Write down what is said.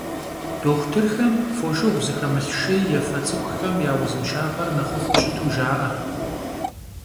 Doxutırxem foşşığu zıxemılh şşêy yêfe ts'ıxuxem ya vuzınşşağer nexhıf'u şıtu jja'e.